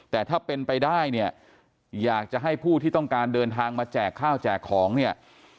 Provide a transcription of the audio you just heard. แต่ถ้าเป็นไปได้เนี่ยอยากจะให้ผู้ที่ต้องการเดินทางมาแจกข้าวแจกของเนี่ย